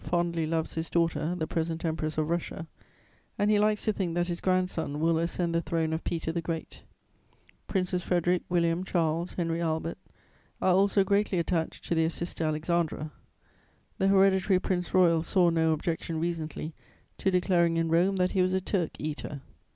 fondly loves his daughter, the present Empress of Russia, and he likes to think that his grandson will ascend the throne of Peter the Great; Princes Frederic, William, Charles, Henry Albert are also greatly attached to their sister Alexandra; the Hereditary Prince Royal saw no objection recently to declaring in Rome that he was a 'Turk eater.'